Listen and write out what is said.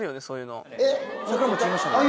そういうの。